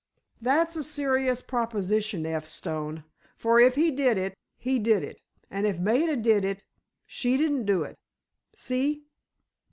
"That's a serious proposition, F. Stone. For, if he did it, he did it. And if Maida did it—she didn't do it. See?"